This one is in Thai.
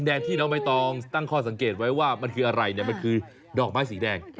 แดงที่น้องใบตองตั้งข้อสังเกตไว้ว่ามันคืออะไรเนี่ยมันคือดอกไม้สีแดง